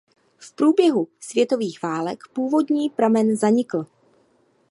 V průběhu světových válek původní pramen zanikl.